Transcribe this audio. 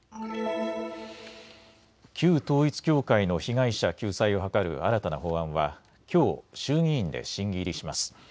旧統一教会の被害者救済を図る新たな法案はきょう衆議院で審議入りします。